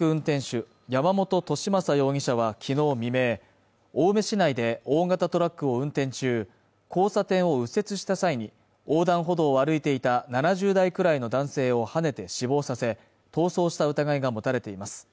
運転手山本寿正容疑者は昨日未明青梅市内で大型トラックを運転中交差点を右折した際に横断歩道を歩いていた７０代くらいの男性をはねて死亡させ逃走した疑いが持たれています